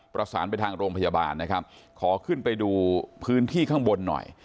ประสานไปทางโรงพยาบาลนะครับขอขึ้นไปดูพื้นที่ข้างบนหน่อย